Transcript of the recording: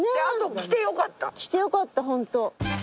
来てよかったホント。